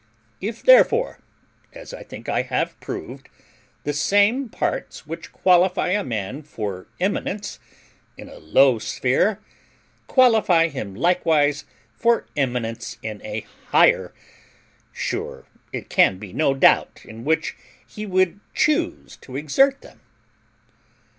If, therefore, as I think I have proved, the same parts which qualify a man for eminence in a low sphere, qualify him likewise for eminence in a higher, sure it can be no doubt in which he would chuse to exert them.